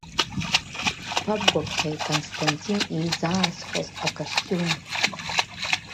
Ишԥабгәаԥхеи Константин изаасхәаз акостиум?